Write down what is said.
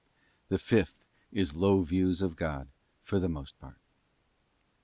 The fifth is low views of God for the most part.